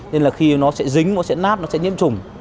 nên là khi nó sẽ dính nó sẽ nát nó sẽ nhiễm trùng